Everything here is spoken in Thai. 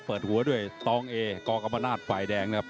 เปิดหัวด้วยตองเอกอกรรมนาศฝ่ายแดงนะครับ